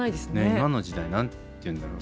今の時代何て言うんだろう？